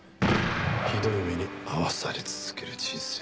ひどい目に遭わされ続ける人生ですね。